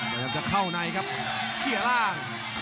พยายามจะเข้าในครับเขียล่าง